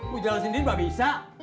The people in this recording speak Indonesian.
mau jalan sendiri nggak bisa